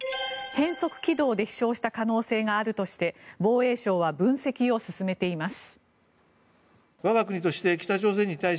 変則軌道で飛翔した可能性があるとして防衛省は分析を進めています。